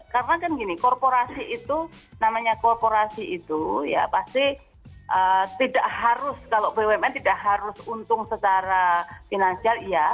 karena kan gini korporasi itu pasti tidak harus untung secara finansial